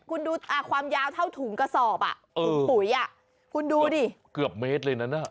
คุณดูความยาวเท่าถุงกระสอบอ่ะถุงปุ๋ยอ่ะคุณดูดิเกือบเมตรเลยนั้นอ่ะ